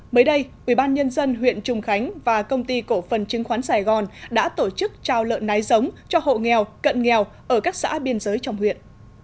mới đây ubnd huyện trùng khánh và công ty cổ phần chứng khoán sài gòn đã tổ chức trao lợn nái giống cho hộ nghèo cận nghèo ở các xã biên giới trong huyện